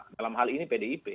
dalam hal ini pdip